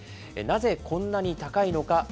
なぜこんなに高いのか。